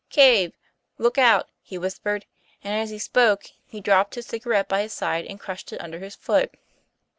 '* Caz>e, look out," he whispered, and as he spoke he dropped his cigarette by his side and crushed it under his foot.